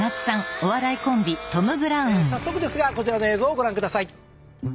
早速ですがこちらの映像をご覧下さい。